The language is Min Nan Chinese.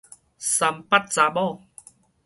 三八查某